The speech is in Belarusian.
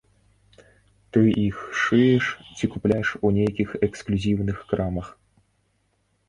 Ты іх шыеш ці купляеш у нейкіх эксклюзіўных крамах?